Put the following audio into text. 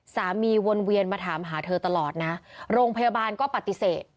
วนเวียนมาถามหาเธอตลอดนะโรงพยาบาลก็ปฏิเสธ